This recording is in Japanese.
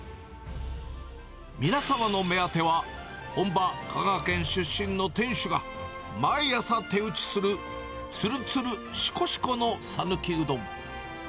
皆様の目当ては、本場、香川県出身の店主が毎朝手打ちする、つるつる、しこしこのさぬきうどん。